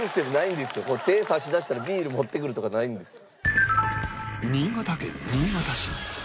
手ぇ差し出したらビール持ってくるとかないんです。